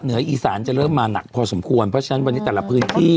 เหนืออีสานจะเริ่มมาหนักพอสมควรเพราะฉะนั้นวันนี้แต่ละพื้นที่